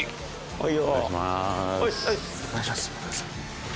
はい？